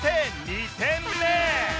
「２点目。